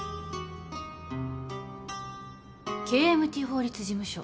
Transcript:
ＫＭＴ法律事務所。